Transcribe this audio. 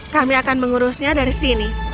kami akan mengurusnya dari sini